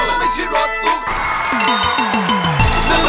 มันไม่ใช่รถตุ๊ก